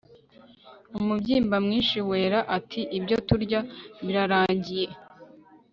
umubyimba mwinshi, wera ati ibyo turya birarangiye